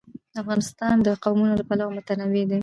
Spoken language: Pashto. افغانستان د قومونه له پلوه متنوع دی.